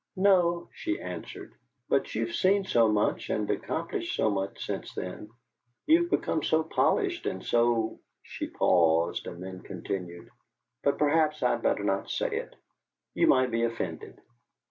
"No," she answered. "But you have seen so much and accomplished so much since then. You have become so polished and so " She paused, and then continued, "But perhaps I'd better not say it; you might be offended."